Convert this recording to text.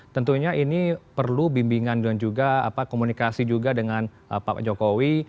tentunya ini perlu bimbingan dan juga komunikasi juga dengan pak jokowi